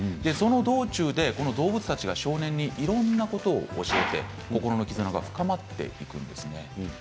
その道中で動物たちは少年にいろいろなことを教えて心の絆が深まっていくんです。